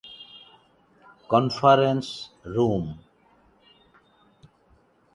It includes the towns of Birchip, Charlton, Donald, Sea Lake and Wycheproof.